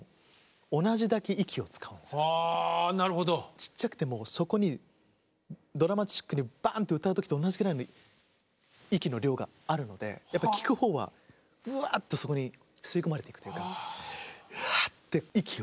ちっちゃくてもそこにドラマチックにバーンと歌う時と同じくらいの息の量があるのでやっぱり聴く方はうわっとそこに吸い込まれていくというかファって息を。